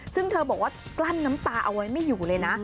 ซึ่งเธอบอกว่ากลั้นน้ำตาเอาไว้ไม่อยู่เลยนะ